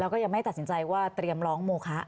แล้วก็ยังไม่ตัดสินใจว่าเตรียมร้องโมคะ